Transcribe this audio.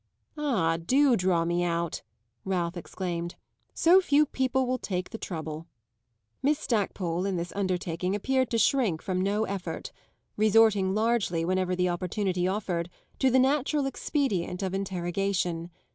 "Ah, do draw me out!" Ralph exclaimed. "So few people will take the trouble." Miss Stackpole, in this undertaking, appeared to shrink from no effort; resorting largely, whenever the opportunity offered, to the natural expedient of interrogation.